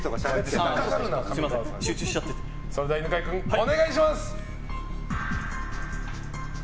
それでは犬飼君お願いします。